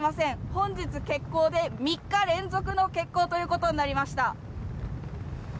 本日、欠航で３日連続の欠航ということになりました。